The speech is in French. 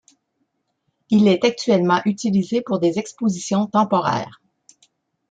Il est actuellement utilisé pour des expositions temporaires.